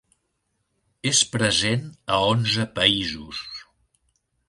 És present a onze països.